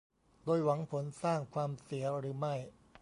โดยหวังผลสร้างความเสียหรือไม่